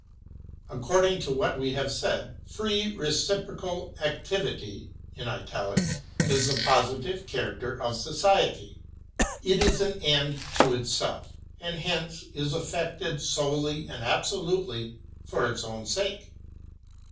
According to what we have said, free reciprocal activity is the positive character of Society. It is an end to itself; and hence is effected solely and absolutely for its own sake.